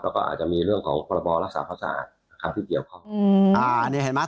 แล้วก็อาจจะมีเรื่องของประบอร์รักษาภาษานะครับที่เกี่ยวพร้อมอืมอ่าเนี่ยเห็นไหม